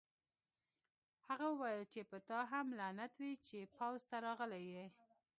هغه وویل چې په تا هم لعنت وي چې پوځ ته راغلی یې